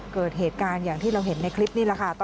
เกิดเหตุการณ์อย่างที่เราเห็นในคลิปนี่แหละค่ะ